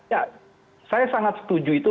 ya saya sangat setuju itu